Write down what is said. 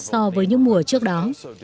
so với những mùa trước đó